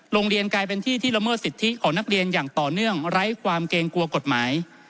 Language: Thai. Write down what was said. โรงเรียนกลายเป็นที่ที่ละเมิดสิทธิของนักเรียนอย่างต่อเนื่องไร้ความเกรงกลัวกฎหมาย